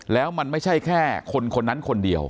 แล้วมันไม่ใช่แค่คนคนนั้นคนเดียว